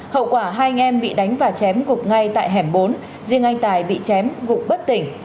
hậu quả hai anh em bị đánh và chém gục ngay tại hẻm bốn riêng anh tài bị chém gục bất tỉnh